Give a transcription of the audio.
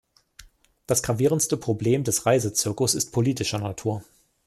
Das gravierendste Problem des Reisezirkus ist politischer Natur.